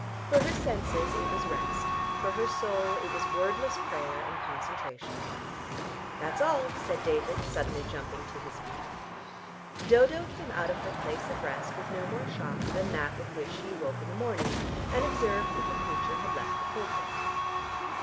For her senses it was rest, for her soul it was wordless prayer and concentration. "That's all," said David suddenly jumping to his feet. Dodo came out of her place of rest with no more shock than that with which she awoke in the morning, and observed that the preacher had left the pulpit.